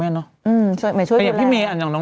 แม่ช่วยก็อย่างพี่เมย์อันนั้น